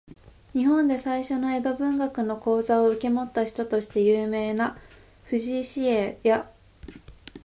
日本で最初の江戸文学の講座を受け持った人として有名な藤井紫影や、